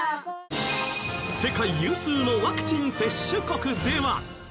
世界有数のワクチン接種国では。